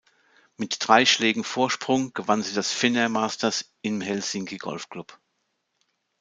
Mit drei Schlägen Vorsprung gewann sie das Finnair Masters im Helsinki Golfclub.